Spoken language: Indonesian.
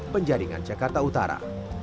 penjaringan jakarta utara